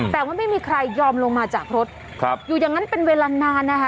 แต่ว่าไม่มีใครยอมลงมาจากรถครับอยู่อย่างนั้นเป็นเวลานานนะคะ